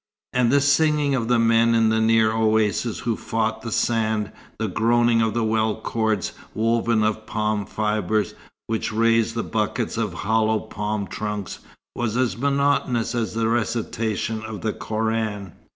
And the singing of the men in the near oasis who fought the sand, the groaning of the well cords woven of palm fibre which raised the buckets of hollowed palm trunks, was as monotonous as the recitation of the Koran.